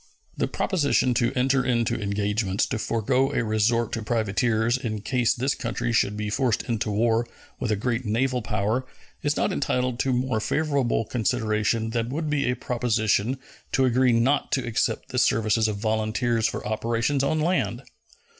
The proposition to enter into engagements to forego a resort to privateers in case this country should be forced into war with a great naval power is not entitled to more favorable consideration than would be a proposition to agree not to accept the services of volunteers for operations on land.